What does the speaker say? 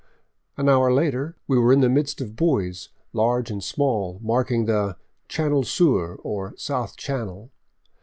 An hour later we were in the midst of buoys, large and small, marking the " Canal Sur," or South Channel.